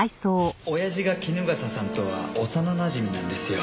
親父が衣笠さんとは幼なじみなんですよ。